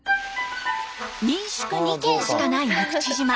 民宿２軒しかない六口島。